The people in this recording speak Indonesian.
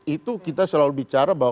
itu kita selalu bicara